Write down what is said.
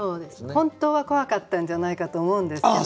本当は怖かったんじゃないかと思うんですけど。